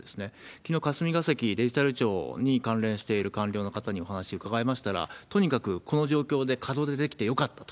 きのう、霞が関デジタル庁に関連している官僚の方にお話を伺いましたら、とにかくこの状況で門出できてよかったと。